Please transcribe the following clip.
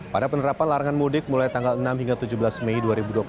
pada penerapan larangan mudik mulai tanggal enam hingga tujuh belas mei dua ribu dua puluh satu